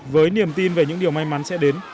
với niềm tin về những điều may mắn sẽ đến